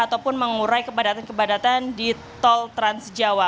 ataupun mengurai kepadatan kepadatan di tol transjawa